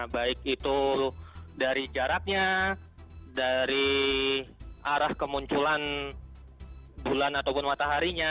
baik itu dari jaraknya dari arah kemunculan bulan ataupun mataharinya